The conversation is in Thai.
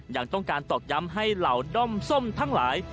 ยังต้องการตอกย้ำให้เหล่าด้อมส้มทั้งหลาย